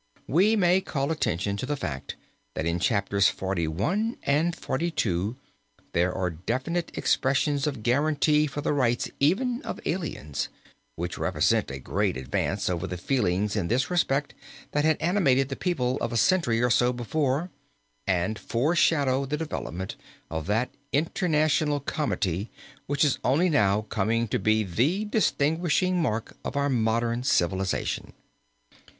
We may call attention to the fact that in Chapters forty one and forty two there are definite expressions of guarantee for the rights even of aliens, which represent a great advance over the feelings in this respect that had animated the people of a century or so before, and foreshadow the development of that international comity which is only now coming to be the distinguishing mark of our modern civilization.